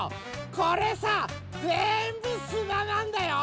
これさぜんぶすななんだよ！